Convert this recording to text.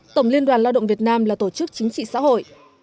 tổng liên đoàn lao động việt nam là tổ chức chính trị xã hội